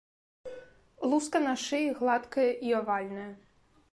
Луска на шыі гладкая і авальная.